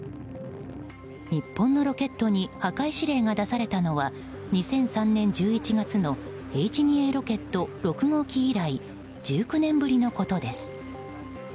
日本のロケットに破壊指令が出されたのは２００３年１１月のＨ２Ａロケット６号機以来１９年ぶりのことです。